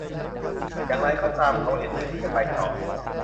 อย่างไรก็ตาม เขาเห็นด้วยที่จะไปต่อ